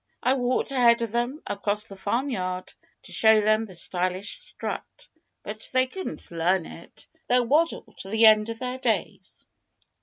I walked ahead of them, across the farmyard, to show them the stylish strut. But they couldn't learn it. They'll waddle to the end of their days."